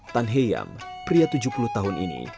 tan heyam pria tujuh puluh tahun ini